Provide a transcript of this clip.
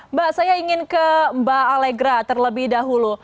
mbak saya ingin ke mbak alegra terlebih dahulu